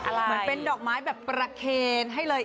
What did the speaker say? เหมือนเป็นดอกไม้แบบประเคนให้เลย